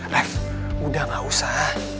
ref udah gak usah